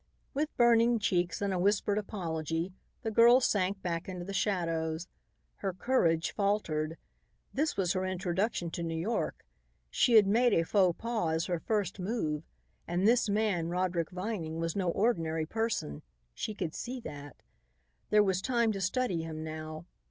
With burning cheeks and a whispered apology, the girl sank back into the shadows. Her courage faltered. This was her introduction to New York; she had made a faux pas as her first move; and this man, Roderick Vining, was no ordinary person, she could see that. There was time to study him now.